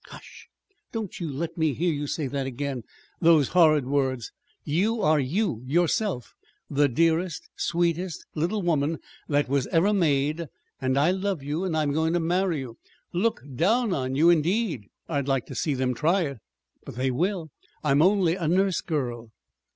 "Hush! Don't you let me hear you say that again those horrid words! You are you, yourself, the dearest, sweetest little woman that was ever made, and I love you, and I'm going to marry you. Look down on you, indeed! I'd like to see them try it!" "But they will. I'm only a nurse girl."